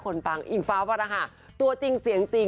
ออกงานอีเวนท์ครั้งแรกไปรับรางวัลเกี่ยวกับลูกทุ่ง